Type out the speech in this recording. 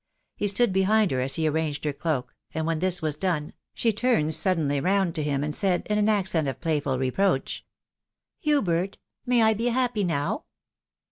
He stood behind her as he arranged her cloak ; and when this was done, she turned suddenly round to him, and said, in an accent of playful reproach, " BatartA »,«« may I be happy now?"